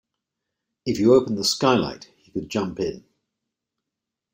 If you opened the skylight, he could jump in.